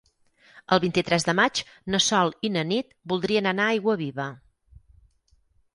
El vint-i-tres de maig na Sol i na Nit voldrien anar a Aiguaviva.